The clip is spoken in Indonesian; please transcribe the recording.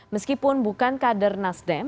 meskipun bukan kader nasdem